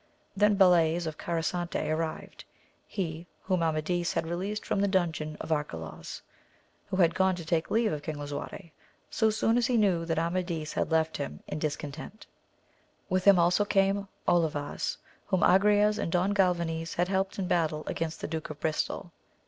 Then Balays of Carsante arrived, he whom Amadis had released from the dungeon of Arcalaus, who had gone to take leave of King Lisuarte, so soon as he knew that Amadis had left him in dis content ; with him also came Olivas whom Agrayes and Don Galvanes had helped in battle against the Duke of Bristol.